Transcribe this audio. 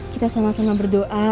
kita sama sama berdoa